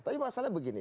tapi masalahnya begini